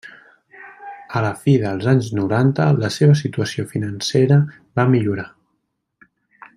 A la fi dels anys noranta la seva situació financera va millorar.